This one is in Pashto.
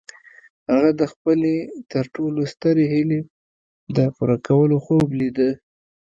هغه د خپلې تر ټولو سترې هيلې د پوره کولو خوب ليده.